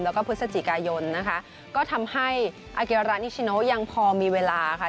แล้วก็พฤศจิกายนนะคะก็ทำให้ยังพอมีเวลาค่ะ